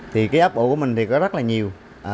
thì cái áp ổ của mình thì có rất là nhiều